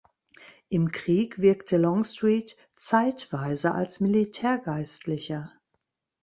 Im Krieg wirkte Longstreet zeitweise als Militärgeistlicher.